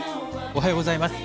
おはようございます。